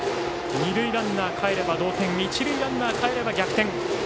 二塁ランナーがかえれば同点一塁ランナーがかえれば逆転。